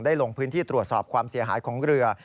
ลงพื้นที่ตรวจสอบความเสียหายของเรือ